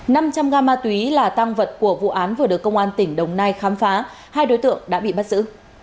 năm trăm linh ga ma túy là tăng vật của vụ án vừa được công an tỉnh đồng nai khám phá hai đối tượng đã bị bắt giữ